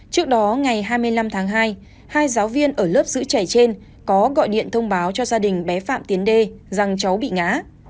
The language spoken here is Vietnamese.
trước đó ngày hai mươi năm tháng hai hai giáo viên ở lớp giữ trẻ trên có gọi điện thông báo cho gia đình bé phạm tiến đê rằng cháu bị ngã